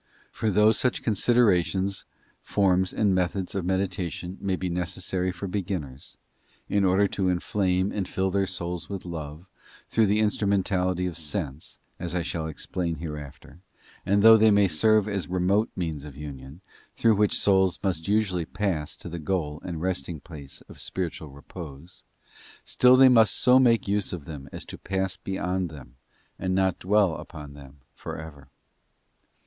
For though such considerations, forms, and methods of meditation may be necessary for beginners, in order to inflame and fill their souls with love, through the instrumentality of sense, as I shall explain hereafter—and though they may serve as remote means of union, through which souls must usually pass to the goal and resting place of spiritual repose— still they must so make use of them as to pass beyond them, and not dwell upon them for ever.